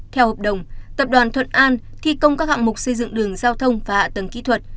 theo hợp đồng tập đoàn thuận an thi công các hạng mục xây dựng đường giao thông và hạ tầng kỹ thuật